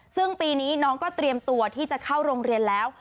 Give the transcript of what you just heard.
ซึ่งปีนี้น้องก็เตรียมตัวที่จะเข้าโรงเรียนแล้ว